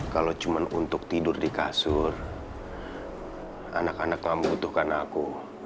kalau cuma untuk tidur di kasur anak anak yang membutuhkan aku